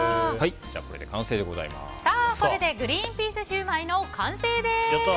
これでグリーンピースシューマイの完成です。